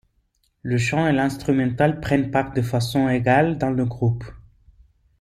Le chant et l'instrumental prennent part de façon égale dans le groupe.